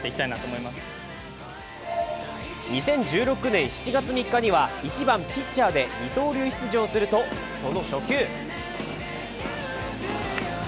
２０１６年７月３日には１番・ピッチャーで二刀流出場すると、その初球。